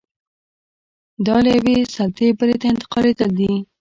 دا له یوې سلطې بلې ته انتقالېدل دي.